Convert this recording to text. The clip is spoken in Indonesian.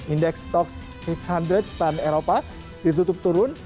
indeks stok enam ratus sepan eropa ditutup turun